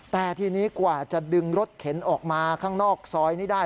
แต่ทีนี้กว่าจะดึงรถเข็นออกมาข้างนอกซอยนี้ได้